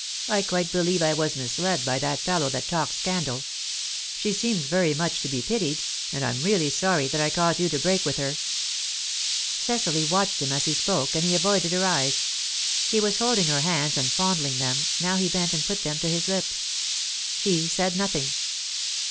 I quite believe I was misled by that fellow that talked scandal. She seems very much to be pitied, and I'm really sorry that I caused you to break with her." Cecily watched him as he spoke, and he avoided her eyes. He was holding her hands and fondling them; now he bent and put them to his lips. She said nothing.